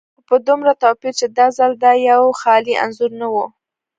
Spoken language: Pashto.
خو په دومره توپير چې دا ځل دا يو خيالي انځور نه و.